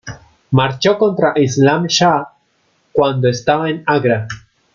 Marchó contra Islam Shah cuando estaba en Agra.